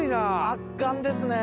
圧巻ですね！